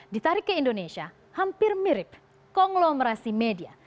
ditarik ke indonesia hampir mirip konglomerasi media